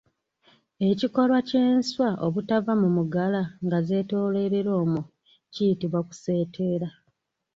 Ekikolwa ky’enswa obutava mu mugala nga zeetooloolera omwo kiyitibwa kuseetera.